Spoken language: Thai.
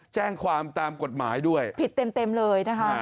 แจ้งความตามกฎหมายด้วยผิดเต็มเลยนะคะ